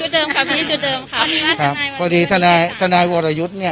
ชุดเดิมครับอันนี้ชุดเดิมครับครับพอดีทนายทนายวรยุทธ์เนี้ย